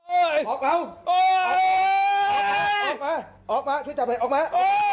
ออกมาออกมาออกมาช่วยจับหน่อยออกมา